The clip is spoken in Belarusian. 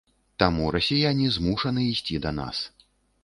Таму расіяне змушаны ісці да нас.